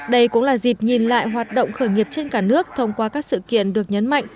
đây cũng là dịp nhìn lại hoạt động khởi nghiệp trên cả nước thông qua các sự kiện được nhấn mạnh